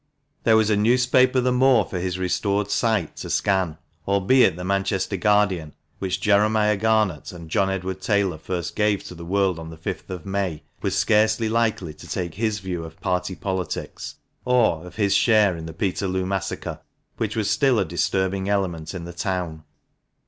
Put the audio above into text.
There was a newspaper the more for his restored sight to scan, albeit the Manchester Guardian, which Jeremiah Garnett and John Edward Taylor first gave to the world on the fifth of May, was scarcely likely to take his view of party politics, or of his share in the " Peterloo massacre," which was still a disturbing element in the town.